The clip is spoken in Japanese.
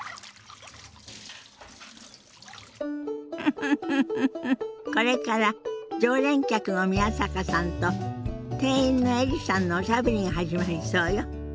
フフフフこれから常連客の宮坂さんと店員のエリさんのおしゃべりが始まりそうよ。